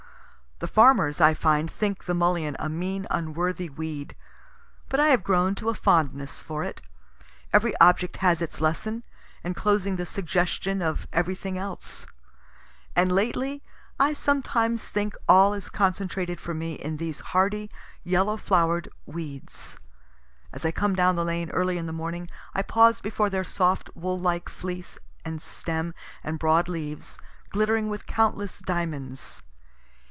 The farmers, I find, think the mullein a mean unworthy weed, but I have grown to a fondness for it. Every object has its lesson, enclosing the suggestion of everything else and lately I sometimes think all is concentrated for me in these hardy, yellow flower'd weeds. As I come down the lane early in the morning, I pause before their soft wool like fleece and stem and broad leaves, glittering with countless diamonds.